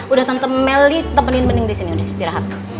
udah tante melly temenin bening disini udah istirahat